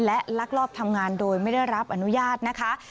และลักลอบทำงานโดยไม่ได้รับอนุญาตนะคะ